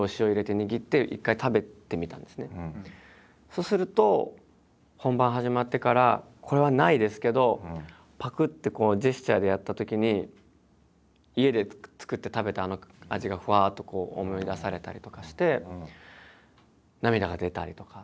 そうすると本番始まってからこれはないですけどぱくってこうジェスチャーでやったときに家で作って食べたあの味がふわっとこう思い出されたりとかして涙が出たりとか。